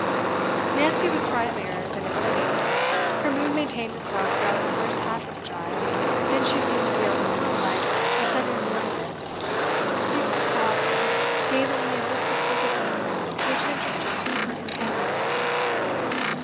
Nancy was sprightlier than of late. Her mood maintained itself throughout the first half of the drive, then she seemed to be overcome by a sudden weariness, ceased to talk, and gave only a listless look at things which interested her companions.